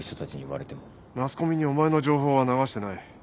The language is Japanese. マスコミにお前の情報は流してない。